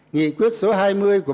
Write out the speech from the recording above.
nghị quyết số hai mươi của